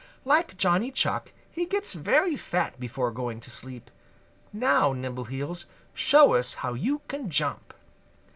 Like Johnny Chuck he gets very fat before going to sleep. Now, Nimbleheels, show us how you can jump."